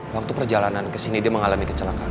waktu perjalanan ke disini dia mengalami kecelakaank